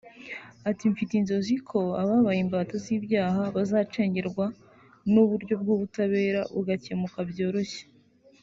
Ati “Mfite inzozi ko ababaye imbata z’ ibyaha bazacengerwa n’ uburyo bw’ ubutabera bigakemuka byoroshye